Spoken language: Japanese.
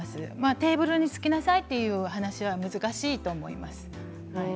テーブルにつきなさいという話し合いはなかなか難しいと思います。